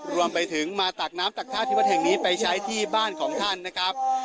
รวมไปถึงมาตักน้ำตักท่าที่วัดแห่งนี้ไปใช้ที่บ้านของท่านนะครับ